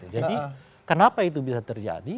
jadi kenapa itu bisa terjadi